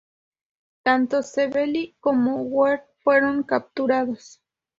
Tanto Savelli como Werth fueron capturados.